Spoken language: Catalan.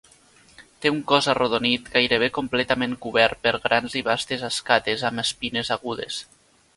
Té un cos arrodonit gairebé completament cobert per grans i bastes escates amb espines agudes.